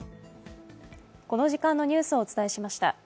この時間のニュースをお伝えしました。